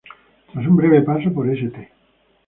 Tras un breve paso por St.